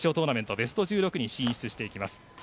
ベスト１６に進出していきます。